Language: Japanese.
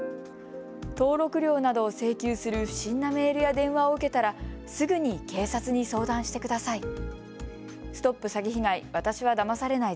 登録料などを請求する不審なメールや電話を受けたらすぐに警察に相談してください。